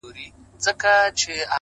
د ښايست و کوه قاف ته. د لفظونو کمی راغی.